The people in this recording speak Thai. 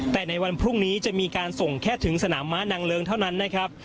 แต่ในวันพรุ่งนี้จะมีการส่งแค่ถึงสนามม้านางเริงเท่านั้นนะครับ